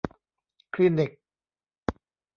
คลินิก